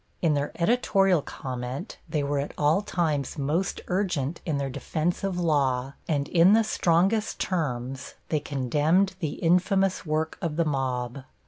In their editorial comment they were at all times most urgent in their defense of law and in the strongest terms they condemned the infamous work of the mob.